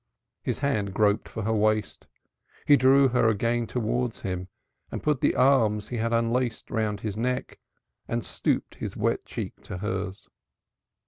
His hand groped for her waist, he drew her again towards him and put the arms he had unlaced round his neck and stooped his wet cheek to hers.